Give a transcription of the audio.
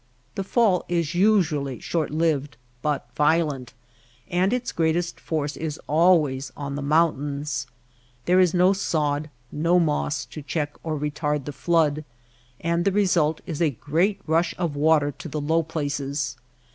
The fall is usually short lived but violent ; and its greatest force is always on the mountains. There is no sod, no moss, to check or retard the flood ; and the result is a great rush of water to the low places.